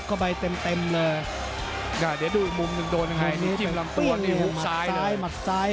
โอ้โหโอ้โหโอ้โหโอ้โห